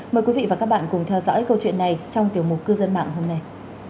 mời quý vị và các bạn cùng theo dõi câu chuyện này trong tiểu mục cư dân mạng hôm nay